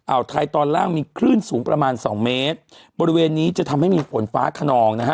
วไทยตอนล่างมีคลื่นสูงประมาณสองเมตรบริเวณนี้จะทำให้มีฝนฟ้าขนองนะฮะ